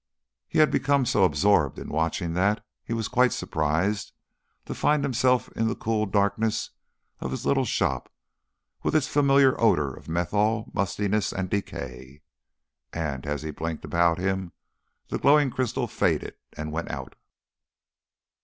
He had become so absorbed in watching that he was quite surprised to find himself in the cool darkness of his little shop, with its familiar odour of methyl, mustiness, and decay. And, as he blinked about him, the glowing crystal faded, and went out.